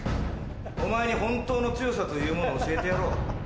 お前に本当の強さというものを教えてやろう。